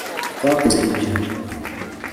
twakoze ibyo